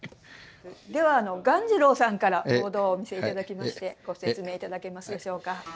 では鴈治郎さんからボードをお見せいただきましてご説明いただけますでしょうか？